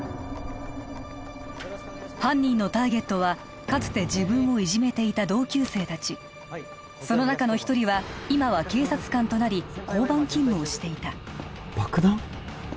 犯人のターゲットはかつて自分をいじめていた同級生達その中の一人は今は警察官となり交番勤務をしていた爆弾？